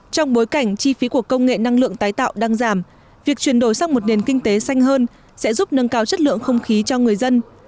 trong bối cảnh chi phí của công nghệ năng lượng tái tạo đang giảm việc chuyển đổi sang một nền kinh tế xanh hơn sẽ giúp nâng cao chất lượng không khí cho người dân